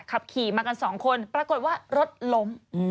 ขับขี่มากันสองคนปรากฏว่ารถล้ม